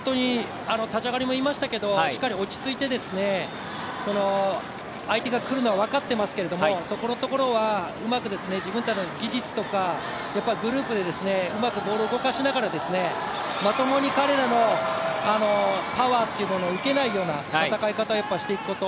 立ち上がりも言いましたけど、しっかり落ち着いて相手が来るのは分かっていますけれども、そこのところはうまく自分たちの技術とか、グループでうまくボールを動かしながら、まともに彼らのパワーというものを受けないような戦い方をしていくこと